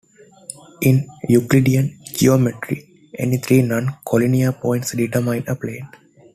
In Euclidean geometry, any three non-collinear points determine a plane.